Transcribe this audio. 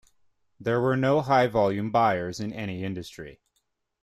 There were no high volume buyers in any industry.